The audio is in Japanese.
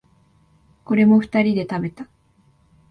これも二人で食べた。